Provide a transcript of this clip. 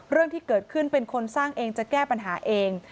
เรื่องที่เกิดขึ้นเป็นคนสร้างเองจะแก้ปัญหาเอง